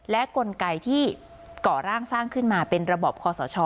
และกลไกที่ก่อร่างสร้างขึ้นมาเป็นระบอบคอสช